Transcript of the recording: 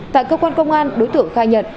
tại cơ quan công an đối tượng khai nhận